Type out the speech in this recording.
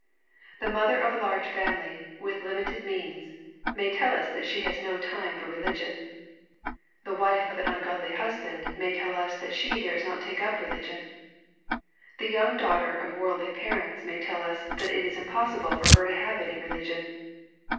The mother of a large family^ with limited means, may tell us that she has no time for religion. — The wife of an ungodly husband may tell us that she dares not take up religion. — The young daugh ter of worldly parents may tell us that it is impossible for her to have any religion.